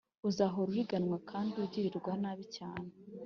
uzahora uriganywa kandi ugirirwa nabi cyane